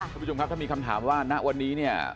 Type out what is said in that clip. คุณผู้ชมครับถ้ามีคำถามว่าณวันนี้เนี่ย